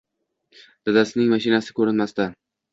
Dadasining mashinasi ko`rinmasdi